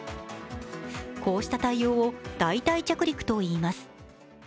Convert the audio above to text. こうした対応を代替着陸といいます。